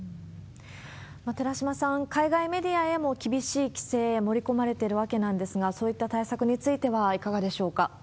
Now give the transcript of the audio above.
寺嶋さん、海外メディアへも厳しい規制、盛り込まれているわけなんですが、そういった対策についてはいかがでしょうか？